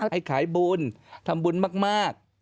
ให้ขายบุญทำบุญมาก